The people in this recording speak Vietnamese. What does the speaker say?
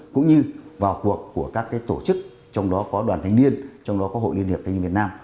của các cái tổ chức trong đó có đoàn thanh niên trong đó có hội liên hiệp thanh niên việt nam